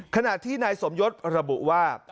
ขณะที่นายสมยศระบุว่า